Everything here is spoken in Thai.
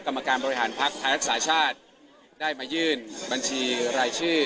กรรมการบริหารภักดิ์ไทยรักษาชาติได้มายื่นบัญชีรายชื่อ